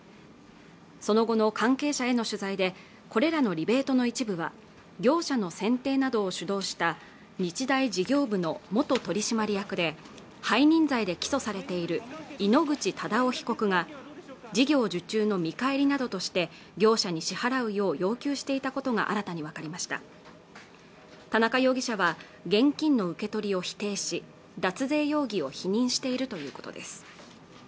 その後の関係者への取材でこれらのリベートの一部は業者の選定などを主導した日大事業部の元取締役で背任罪で起訴されている井ノ口忠男被告が事業受注の見返りなどとして業者に支払うよう要求していたことが新たに分かりました田中容疑者は現金の受け取りを否定し脱税容疑を否認しているということです